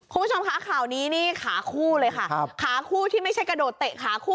คุณผู้ชมคะข่าวนี้นี่ขาคู่เลยค่ะขาคู่ที่ไม่ใช่กระโดดเตะขาคู่